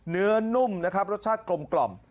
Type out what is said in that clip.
เนื้อนุ่มนะครับรสชาติกลม